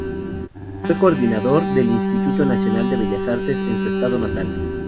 Fue coordinador del Instituto Nacional de Bellas Artes en su estado natal.